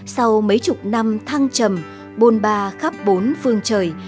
sau mấy chục năm thăng trầm bôn ba khắp bốn phương trời